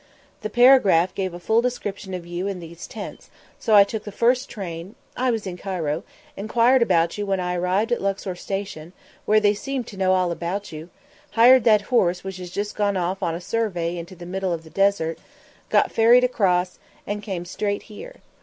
The paragraph gave a full description of you and these tents, so I took the first train I was in Cairo enquired about you when I arrived at Luxor station, where they seemed to know all about you, hired that horse which has just gone off on a survey into the middle of the desert, got ferried across, and came straight here.